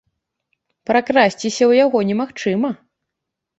Пракрасціся ў яго немагчыма.